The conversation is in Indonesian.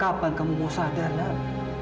kapan kamu mau sadar